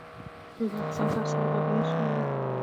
د ازبکستان سره سوداګري څومره ده؟